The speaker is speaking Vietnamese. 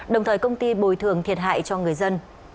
đồng thời công ty bồi thường thiệt hại cho người dân